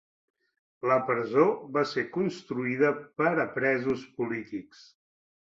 La presó va ser construïda per a presos polítics.